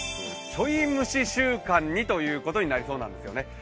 ちょいムシ週間にということになりそうなんですよね。